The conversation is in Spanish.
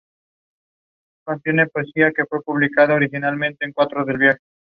El sexto hijo.